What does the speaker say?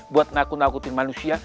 buat ngaku ngakutin manusia